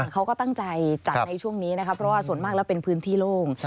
เขาก็ตั้งใจจัดในช่วงนี้นะครับเพราะว่าส่วนมากแล้วเป็นพื้นที่โล่ง